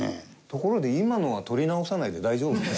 ところで今のは撮り直さないで大丈夫ですか？